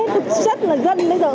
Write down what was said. thực chất là dân bây giờ